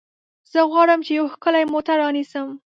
زه غواړم چې یو ښکلی موټر رانیسم.